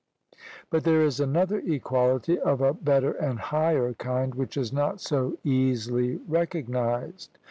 But there is another equality, of a better and higher kind, which is not so easily recognized.